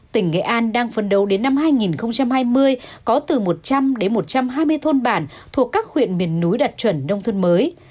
tỉnh nghệ an đang phấn đấu đến năm hai nghìn hai mươi có từ một trăm linh đến một trăm hai mươi thôn bản thuộc các huyện miền núi đạt chuẩn nông thôn mới